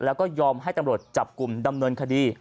แล้วก็ยอมให้ตำรวจจับกลุ่มดำเนินคดี